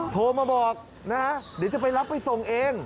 โทรมาบอกนะเดี๋ยวจะไปรับไปส่งเอง